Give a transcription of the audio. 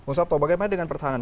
musabto bagaimana dengan pertahanan